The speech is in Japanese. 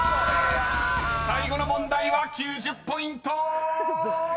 ［最後の問題は９０ポイント！］